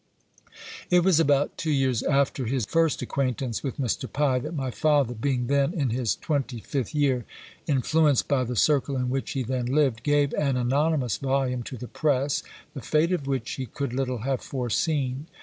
It was about two years after his first acquaintance with Mr. Pye, that my father, being then in his twenty fifth year, influenced by the circle in which he then lived, gave an anonymous volume to the press, the fate of which he could little have foreseen.